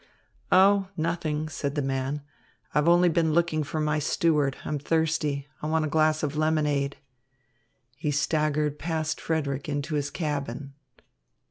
"Oh, nothing," said the man. "I've only been looking for my steward. I'm thirsty. I want a glass of lemonade." He staggered past Frederick into his cabin.